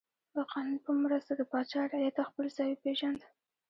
د قانون په مرسته د پاچا رعیت خپل ځای وپیژند.